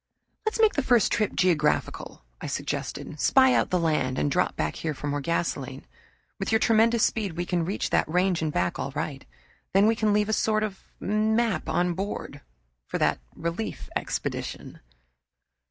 "Let's make the first trip geographical," I suggested. "Spy out the land, and drop back here for more gasoline. With your tremendous speed we can reach that range and back all right. Then we can leave a sort of map on board for that relief expedition."